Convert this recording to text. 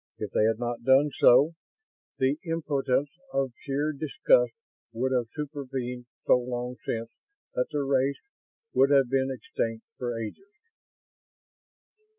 If they had not done so, the impotence of sheer disgust would have supervened so long since that the race would have been extinct for ages.